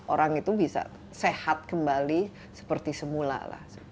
orang itu bisa sehat kembali seperti semula lah